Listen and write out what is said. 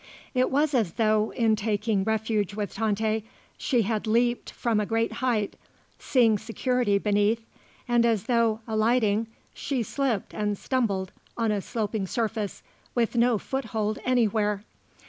It was as though, in taking refuge with Tante, she had leaped from a great height, seeing security beneath, and as though, alighting, she slipped and stumbled on a sloping surface with no foothold anywhere.